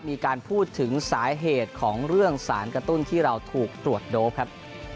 มีการพูดถึงสาเหตุของเรื่องสารกระตุ้นที่เราถูกตรวจโดปครับ